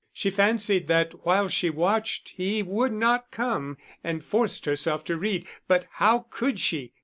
She fancied that while she watched he would not come, and forced herself to read. But how could she!